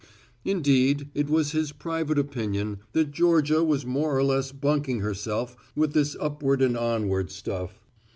Indeed, it was his private opinion that Georgia was more or less bunking herself with this upward and onward stuff.